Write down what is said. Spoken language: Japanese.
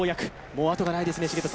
もうあとがないですね？